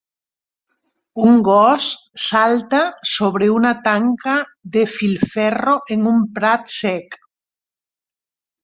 Un gos salta sobre una tanca de filferro en un prat sec.